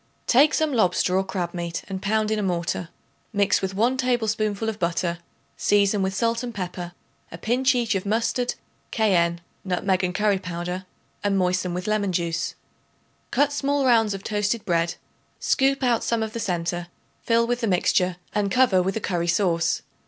Take some lobster or crab meat and pound in a mortar. Mix with 1 tablespoonful of butter; season with salt and pepper, a pinch each of mustard, cayenne, nutmeg and curry powder and moisten with lemon juice. Cut small rounds of toasted bread; scoop out some of the centre; fill with the mixture and cover with a curry sauce.